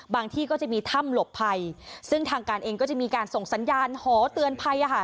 ที่ก็จะมีถ้ำหลบภัยซึ่งทางการเองก็จะมีการส่งสัญญาณหอเตือนภัย